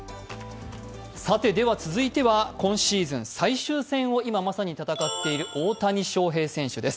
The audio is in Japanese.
続いては今シーズン最終戦を今まさに戦っている大谷翔平選手です。